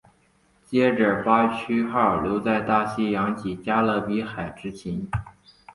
接着巴区号留在大西洋及加勒比海执勤。